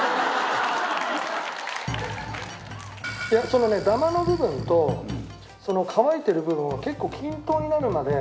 そのねダマの部分と乾いてる部分が結構均等になるまで。